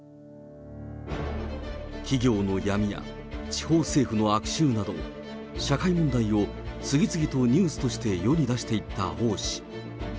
企業の闇や地方政府の悪習など、社会問題を次々とニュースとして世に出していった王氏。